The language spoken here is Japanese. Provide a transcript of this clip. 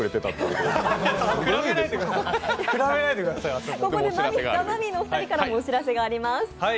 ここでザ・マミィのお二人からお知らせがあります。